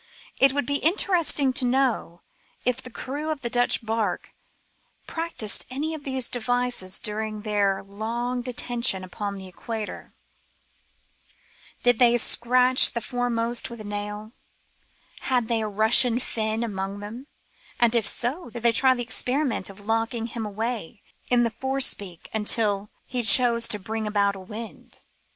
It would be interesting to know if the crew of the Dutch barque practised any of these devices during their long detention upon the Equator? CALMS AND SEAS. 129 Did they scratch the foremast with a nail ? Had they a Bussian Fin among them, and, if so, did they try the experiment of locking him away in the forepeak until he chose to bring about a wind